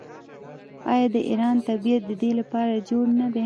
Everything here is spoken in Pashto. آیا د ایران طبیعت د دې لپاره جوړ نه دی؟